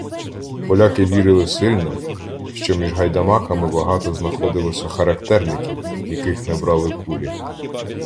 …Поляки вірили сильно, що між гайдамаками багато знаходилося характерників, яких не брали кулі.